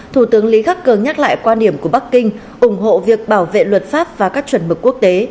thủ tướng lý khắc cường nhắc lại quan điểm của bắc kinh ủng hộ việc bảo vệ luật pháp và các chuẩn mực quốc tế